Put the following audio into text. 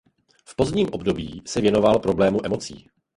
V pozdním období se věnoval problému emocí.